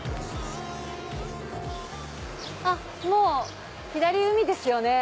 もう左海ですよね。